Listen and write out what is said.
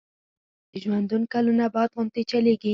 د ژوندون کلونه باد غوندي چلیږي